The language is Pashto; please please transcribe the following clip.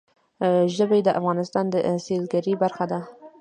ژبې د افغانستان د سیلګرۍ برخه ده.